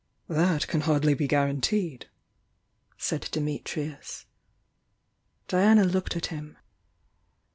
"That can ardly be guaranteed," said Dimitrius. Diana looked at him.